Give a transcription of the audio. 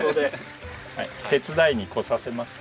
手伝いに来させました。